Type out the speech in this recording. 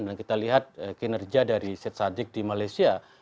dan kita lihat kinerja dari syed sadiq di malaysia